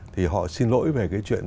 thì họ xin lỗi về cái chuyện